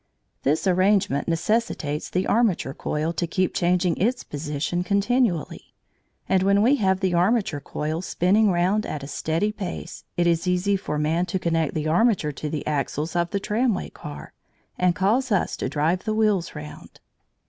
This arrangement necessitates the armature coil to keep changing its position continually, and when we have the armature coil spinning round at a steady pace, it is easy for man to connect the armature to the axles of the tramway car and cause us to drive the wheels round.